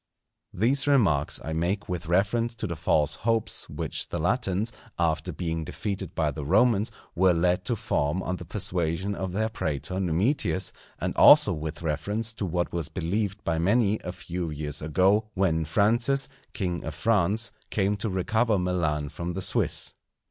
These remarks I make with reference to the false hopes which the Latins, after being defeated by the Romans, were led to form on the persuasion of their prætor Numitius, and also with reference to what was believed by many a few years ago, when Francis, king of France, came to recover Milan from the Swiss.